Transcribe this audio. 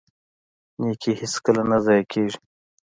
نیکي هیڅکله نه ضایع کیږي.